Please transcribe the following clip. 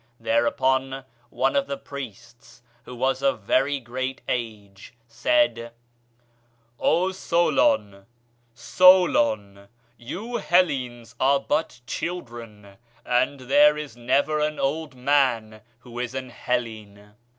Thereupon, one of the priests, who was of very great age; said, 'O Solon, Solon, you Hellenes are but children, and there is never an old man who is an Hellene.'